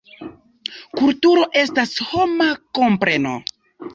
Kulturo estas homa kompreno.